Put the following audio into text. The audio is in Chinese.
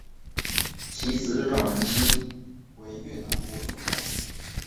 其子阮文馨为越南国军将领。